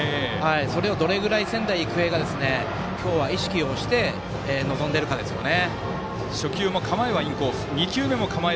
それをどれくらい仙台育英が今日は意識をして臨んでいるかですよね。